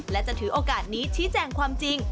และจะถือโอกาสนี้ชี้แจงความจริง